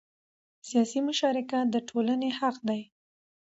سیاسي مشارکت د ټولنې حق دی